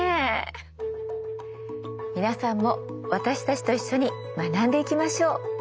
皆さんも私たちと一緒に学んでいきましょう。